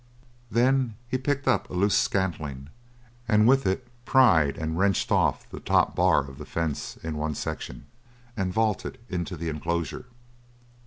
Then he picked up a loose scantling and with it pried and wrenched off the top bar of the fence in one section and vaulted into the enclosure.